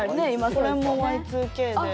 これもＹ２Ｋで。